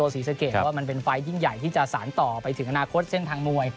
สวัสดีครับ